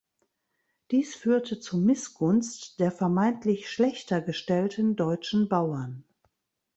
Dies führte zu Missgunst der vermeintlich schlechter gestellten deutschen Bauern.